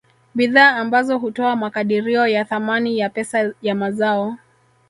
Bidhaa ambazo hutoa makadirio ya thamani ya pesa ya mazao